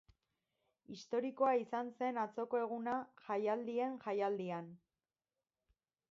Historikoa izan zen atzoko eguna jaialdien jaialdian.